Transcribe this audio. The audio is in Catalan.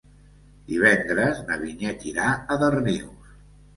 Divendres na Vinyet irà a Darnius.